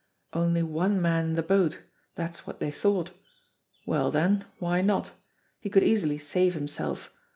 Only one man in the boat. That's what they thought. Well, then, why not? He could easily save himself.